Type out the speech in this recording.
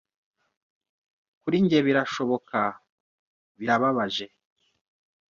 kuri njye birashoboka ... birababaje ...